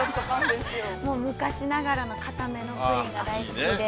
◆昔ながらの硬めのプリンが大好きで。